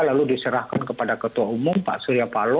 lalu diserahkan kepada ketua umum pak surya palo